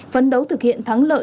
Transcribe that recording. phấn đấu thực hiện thắng lợi